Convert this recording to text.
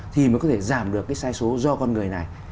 thì mới có thể giảm được cái sai số do con người này